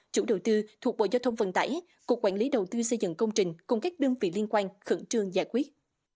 chủ đầu tư thuộc bộ giao thông vận tải cục quản lý đầu tư xây dựng công trình cùng các đơn vị liên quan khẩn trương giải quyết